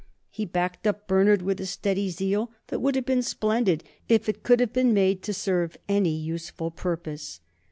He backed up Bernard with a steady zeal that would have been splendid if it could have been made to serve any useful purpose.